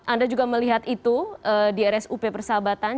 anda juga melihat itu di rs up persahabatan